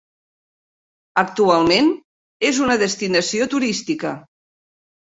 Actualment és una destinació turística.